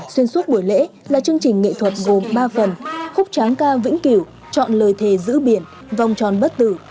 xuyên suốt buổi lễ là chương trình nghệ thuật gồm ba phần khúc tráng ca vĩnh cửu chọn lời thề giữ biển vòng tròn bất tử